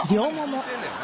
効いてんねんな。